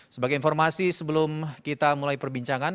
sebagai informasi sebelum kita mulai perbincangan